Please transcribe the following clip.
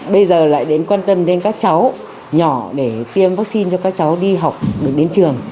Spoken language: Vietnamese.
bây giờ lại đến quan tâm đến các cháu nhỏ để tiêm vaccine cho các cháu đi học được đến trường